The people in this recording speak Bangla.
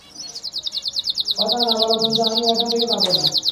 কথা না বলা পর্যন্ত আমি এখান থেকে যাবো না।